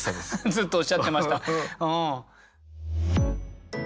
ずっとおっしゃってました。